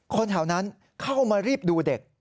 คนแถวนั้นเข้ามารีบดูเด็ก